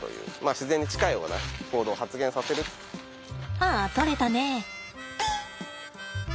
ああ取れたね。